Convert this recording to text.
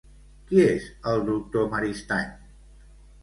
Qui és el doctor Maristany?